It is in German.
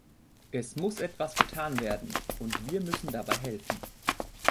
Es muss etwas getan werden, und wir müssen dabei helfen.